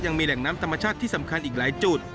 ยังมีแหล่งน้ำธรรมชาติที่สำคัญอีกหลายจุด